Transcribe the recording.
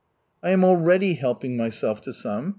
"I am already helping myself to some.